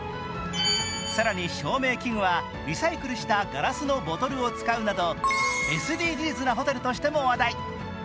更に、照明器具はリサイクルしたガラスのボトルを使うなどＳＤＧｓなホテルとしても話題。